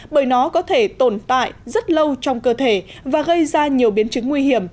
bởi nó có thể tồn tại rất lâu trong cơ thể và gây ra nhiều biến chứng nguy hiểm